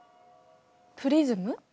プリズム？